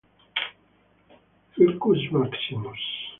Circus Maximus